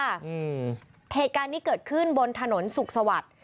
อืมเหตุการณ์นี้เกิดขึ้นบนถนนสุขสวัสดิ์